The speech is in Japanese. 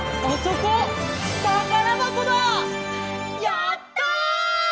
やった！